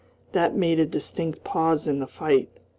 That made a distinct pause in the fight.